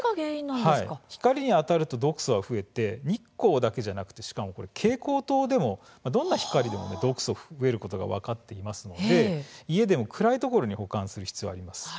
光に当たると毒素は増えて日光だけではなく蛍光灯でもどんな光でも毒素は増えることが分かっていますので家でも暗いところに保管する必要があります。